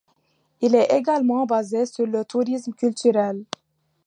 Il est également basé sur le tourisme culturel.